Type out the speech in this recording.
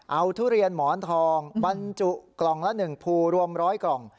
เอาทุเรียนหมอนทองปันจุกล่องละหนึ่งภูรวมร้อยกล่อง